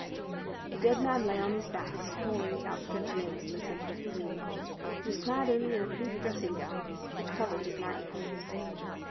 The dead man lay on his back, sprawling with outstretched limbs in the centre of the room. He was clad only in a pink dressing gown, which covered his night clothes.